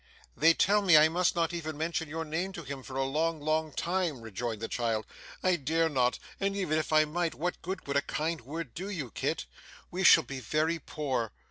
'They tell me I must not even mention your name to him for a long, long time,' rejoined the child, 'I dare not; and even if I might, what good would a kind word do you, Kit? We shall be very poor.